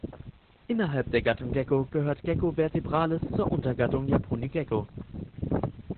Innerhalb der Gattung "Gekko" gehört "Gekko vertebralis" zur Untergattung "Japonigekko".